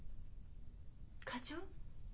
課長？